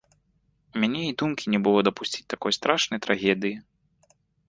У мяне і думкі не было дапусціць такой страшнай трагедыі.